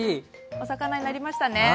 お魚になりましたね。